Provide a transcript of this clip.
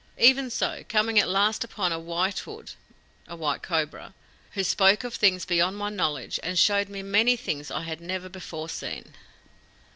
"Even so, coming at last upon a White Hood [a white cobra], who spoke of things beyond my knowledge, and showed me many things I had never before seen."